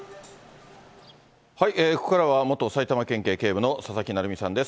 ここからは元埼玉県警警部補の佐々木成三さんです。